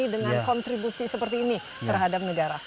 dengan kontribusi seperti ini terhadap negara